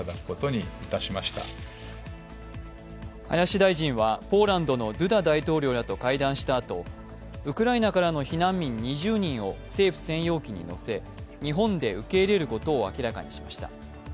林大臣はポーランドのドゥダ大統領らと会談したあとウクライナからの避難民２０人を政府専用機に乗せ日本で受け入れることを明らかにしました。